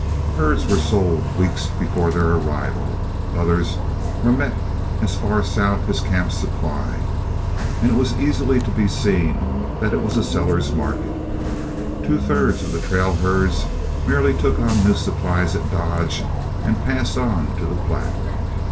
Herds were sold weeks before their arrival, others were met as far south as Camp Supply, and it was easily to be seen that it was a seller's market. Two thirds of the trail herds merely took on new supplies at Dodge and passed on to the Platte.